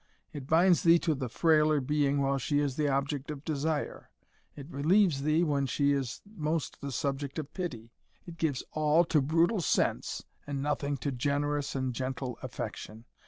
It binds thee to the frailer being while she is the object of desire it relieves thee when she is most the subject of pity it gives all to brutal sense, and nothing to generous and gentle affection.